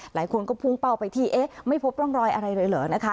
หลายคนก็พุ่งเป้าไปที่เอ๊ะไม่พบร่องรอยอะไรเลยเหรอนะคะ